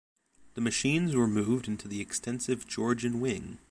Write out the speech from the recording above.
The machines were moved into the extensive Georgian wing.